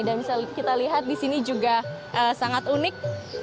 dan misalnya kita lihat di sini juga sangat unik